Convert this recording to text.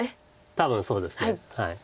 多分そうですね。